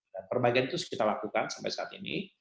dan perbagian itu kita lakukan sampai saat ini